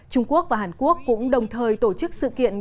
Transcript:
trung quốc và hàn quốc cũng đồng thời tổ chức sự kiện